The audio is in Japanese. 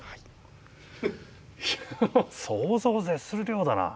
いや想像を絶する量だな。